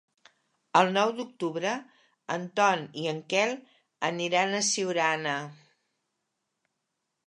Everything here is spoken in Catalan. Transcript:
El nou d'octubre en Ton i en Quel aniran a Siurana.